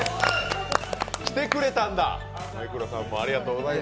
来てくれたんだ？